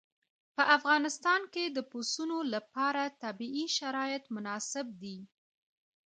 په افغانستان کې د پسونو لپاره طبیعي شرایط مناسب دي.